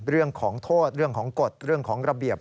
เรื่องของโทษเรื่องของกฎเรื่องของระเบียบ